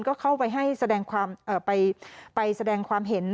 ก็เข้าไปให้แสดงความเห็น